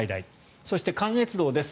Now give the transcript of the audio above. そして関越道です。